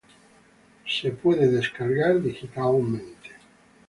Se puede descargar digitalmente.